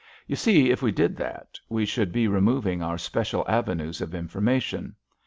You see, if we did that, we should be removing our special avenues of information.